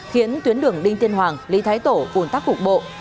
khiến tuyến đường đinh tiên hoàng lý thái tổ ủn tắc cục bộ